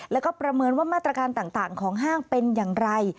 แล้วก็ประเมินว่ามาตรการต่างของห้างเป็นอย่างไร